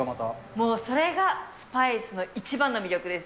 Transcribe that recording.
もうそれが、スパイスの一番の魅力です。